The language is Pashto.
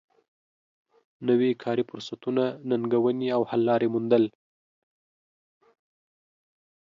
نوی کاري فرصتونه ننګونې او حل لارې موندل